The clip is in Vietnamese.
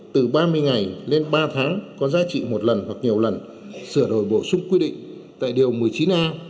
từ ba mươi ngày lên ba tháng có giá trị một lần hoặc nhiều lần sửa đổi bổ sung quy định tại điều một mươi chín a